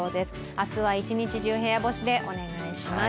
明日は一日中、部屋干しでお願いします。